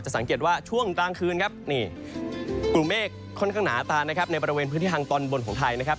สังเกตว่าช่วงกลางคืนครับนี่กลุ่มเมฆค่อนข้างหนาตานะครับในบริเวณพื้นที่ทางตอนบนของไทยนะครับ